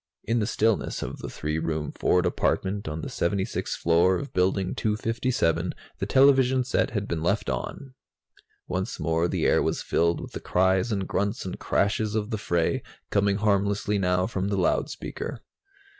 In the stillness of the three room Ford apartment on the 76th floor of Building 257, the television set had been left on. Once more the air was filled with the cries and grunts and crashes of the fray, coming harmlessly now from the loudspeaker.